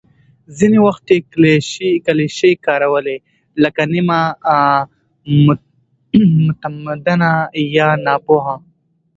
ځینې وخت یې کلیشې کارولې، لکه «نیمه متمدنه» یا «ناپوه».